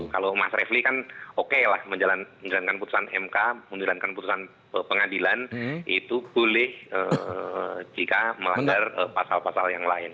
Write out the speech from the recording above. kalau mas refli kan oke lah menjalankan putusan mk menjalankan putusan pengadilan itu boleh jika melanggar pasal pasal yang lain